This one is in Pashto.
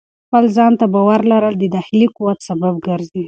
خپل ځان ته باور لرل د داخلي قوت سبب ګرځي.